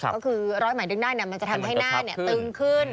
ก็คือร้อยหมายดึงได้มันจะทำให้หน้าตึงขึ้น